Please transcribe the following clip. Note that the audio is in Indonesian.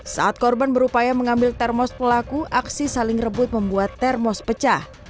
saat korban berupaya mengambil termos pelaku aksi saling rebut membuat termos pecah